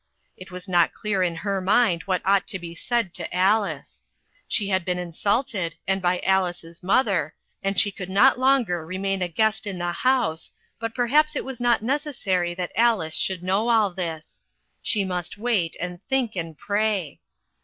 It was not clear in her mind what ought to be said to Alice. She had been insulted, and by Alice's mother, and she could not longer remain a guest in the house , but perhaps it was not neces sary that Alice should know all this. She must wait, and think, and pray.